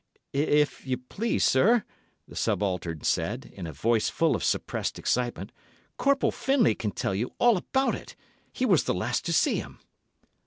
"If you please, sir," the subaltern said, in a voice full of suppressed excitement, "Corporal Findlay can tell you all about it—he was the last to see him."